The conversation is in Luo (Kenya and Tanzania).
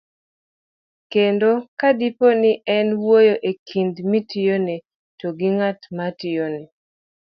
kendo, kadipo ni en wuoyo e kind mitiyone to gi ng'at matiyone,